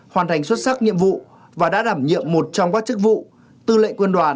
công an thành xuất sắc nhiệm vụ và đã đảm nhiệm một trong các chức vụ tư lệ quân đoàn